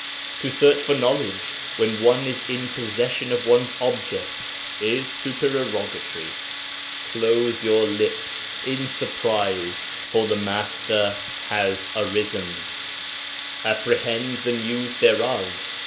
To search for knowledge when one is in possession of one's object is supererogatory. Close your lips [in surprise], for the Master has arisen; apprehend the news thereof.